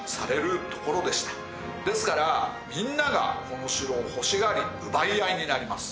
ですからみんながこの城を欲しがり奪い合いになります。